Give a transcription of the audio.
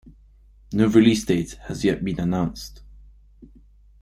No release date has yet been announced.